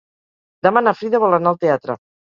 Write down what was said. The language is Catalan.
Demà na Frida vol anar al teatre.